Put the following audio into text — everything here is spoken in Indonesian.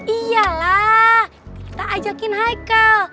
iyalah kita ajakin haikal